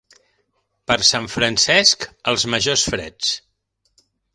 Per Sant Francesc, els majors freds.